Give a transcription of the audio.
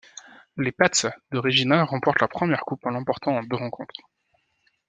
Les Pats de Regina remportent leur première Coupe en l'emportant en deux rencontres.